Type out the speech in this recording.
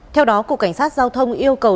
theo đó cục cảnh sát giao thông yêu cầu